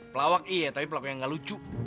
pelawak iya tapi pelawak yang gak lucu